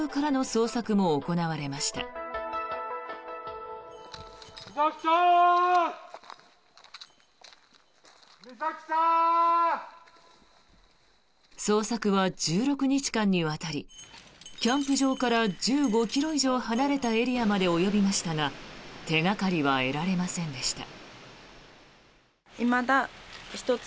捜索は１６日間にわたりキャンプ場から１５ｋｍ以上離れたエリアまで及びましたが手掛かりは得られませんでした。